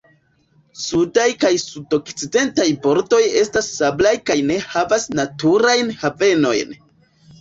Sudaj kaj sud-okcidentaj bordoj estas sablaj kaj ne havas naturajn havenojn.